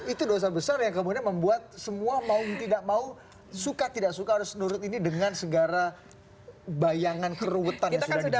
itu dosa besar yang kemudian membuat semua mau tidak mau suka tidak suka harus menurut ini dengan segara bayangan keruwetan